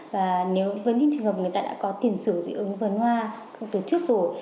và nếu với những trường hợp người ta đã có tiền sử dị ứng phấn hoa từ trước rồi